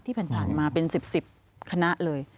ที่ผ่านมาเป็นสิบสิบคณะเลย